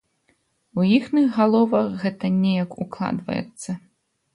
І ў іхніх галовах гэта неяк укладваецца.